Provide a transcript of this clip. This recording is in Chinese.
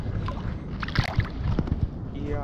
而炮台两旁则建有印度建筑特色的哨房。